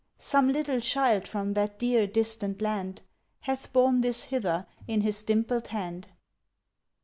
Some little child from that dear, distant land Hath borne this hither in his dimpled hand."